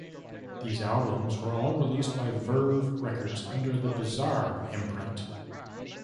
These albums were all released by Verve Records under the Bizarre imprint.